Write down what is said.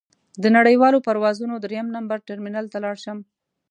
د نړیوالو پروازونو درېیم نمبر ټرمینل ته لاړ شم.